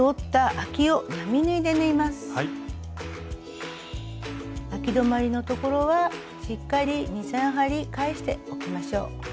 あき止まりの所はしっかり２３針返しておきましょう。